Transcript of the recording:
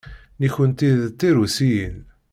Nekkenti d Tirusiyin.